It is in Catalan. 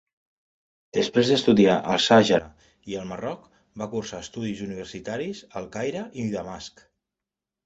Després d'estudiar al Sàhara i el Marroc va cursar estudis universitaris al Caire i Damasc.